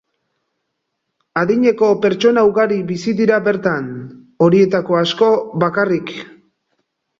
Adineko pertsona ugari bizi dira bertan, horietako asko bakarrik.